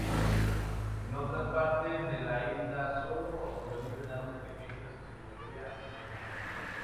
En otras partes de la isla sólo sobreviven árboles pequeños, en su mayoría enebros.